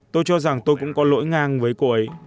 tôi cho rằng tôi cũng có lỗi ngang với cô ấy